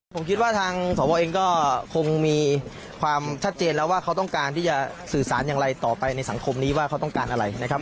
ผมคิดว่าทางสวเองก็คงมีความชัดเจนแล้วว่าเขาต้องการที่จะสื่อสารอย่างไรต่อไปในสังคมนี้ว่าเขาต้องการอะไรนะครับ